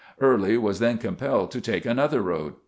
Early was then compelled to take another road.